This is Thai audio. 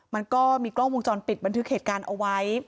มันก็มีกล้องวงจรปิดบันทึกเหตุการณ์เอาไว้